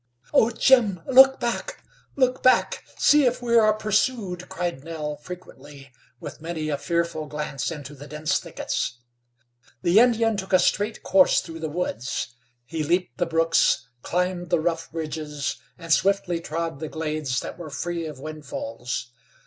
"Oh! Jim! Look back! Look back! See if we are pursued!" cried Nell frequently, with many a earful glance into the dense thickets. The Indian took a straight course through the woods. He leaped the brooks, climbed the rough ridges, and swiftly trod the glades that were free of windfalls.